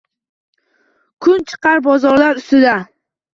Kun chiqar bozorlar ustiga